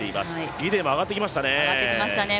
ギデイも上がってきましたね。